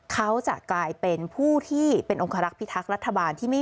เขาจะกลายเป็นผู้ที่เป็นองค์คลักษณ์พิทักษ์รัฐบาล